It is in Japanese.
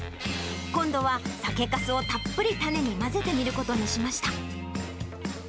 今度は酒かすをたっぷり種に混ぜてみることにしました。